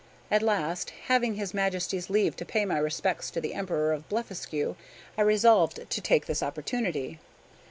At last, having his Majesty's leave to pay my respects to the Emperor of Blefuscu, I resolved to take this opportunity.